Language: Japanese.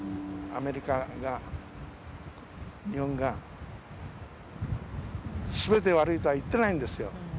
アメリカが、日本が、すべて悪いとは言ってないんですよ。